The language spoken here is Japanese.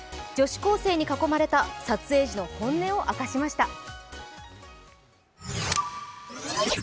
女子高生に囲まれた撮影時の本音を明かしました。